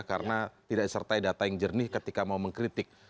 karena tidak disertai data yang jernih ketika mau mengkritik